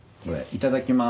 いただきます。